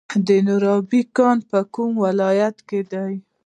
د نورابې کان په کوم ولایت کې دی؟